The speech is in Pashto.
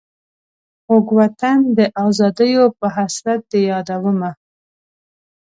خوږ وطن د آزادیو په حسرت دي یادومه.